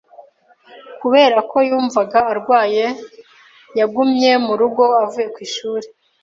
Kubera ko yumvaga arwaye, yagumye mu rugo avuye ku ishuri .